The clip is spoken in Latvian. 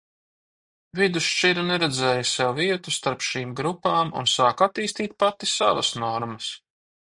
Vidusšķira neredzēja sev vietu starp šīm grupām un sāka attīstīt pati savas normas.